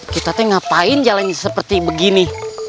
kita tuh ngapain jalan seperti begini